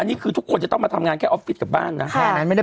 อันนี้คือทุกคนจะต้องมาทำงานแค่ออฟฟิศกับบ้านน่ะค่ะแค่นั้นไม่ได้